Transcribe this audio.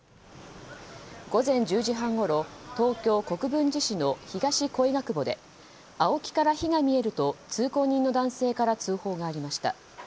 午前１０時半ごろ東京・国分寺市の東恋ヶ窪でＡＯＫＩから火が見えると通行人の男性から通報がありました。